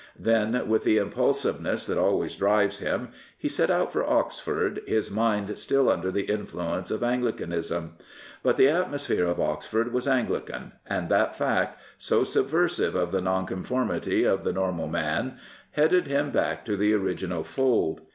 Then, with the impulsive ness that always drives him, he set out for Oxford, his mind still under the influence of Anglicanism. But the atmosphere of Oxford was Anglican, and that fact — so subversive of the Nonconformity of the normal man — headed him back to the original fold.